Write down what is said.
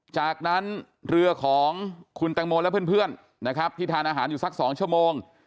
จากนั้นเรือของคุณแตงโมและเพื่อนนะครับที่ทานอาหารอยู่สัก๒ชั่วโมง